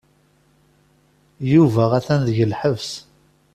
Yuba atan deg lḥebs.